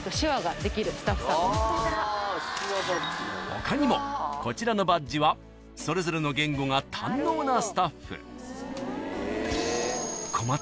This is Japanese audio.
［他にもこちらのバッジはそれぞれの言語が堪能なスタッフ］